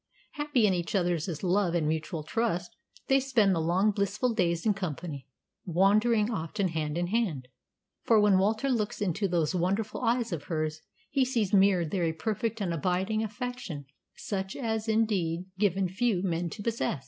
Happy in each other's love and mutual trust, they spend the long blissful days in company, wandering often hand in hand, for when Walter looks into those wonderful eyes of hers he sees mirrored there a perfect and abiding affection such as is indeed given few men to possess.